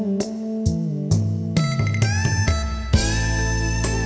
โอเคโอเค